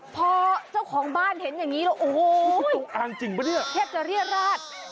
พอเจ้าของบ้านเห็นอย่างนี้แล้วโอ้โหจงอางจริงปะเนี่ยแทบจะเรียดราด